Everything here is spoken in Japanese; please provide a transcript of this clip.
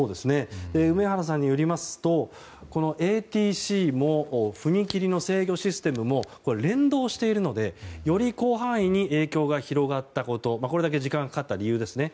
梅原さんによりますとＡＴＣも踏切の制御システムも連動しているのでより広範囲に影響が広がったことこれだけ時間がかかった理由ですね。